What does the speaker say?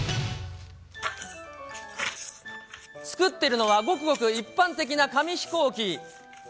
作っているのは、ごくごく一般的な紙飛行機。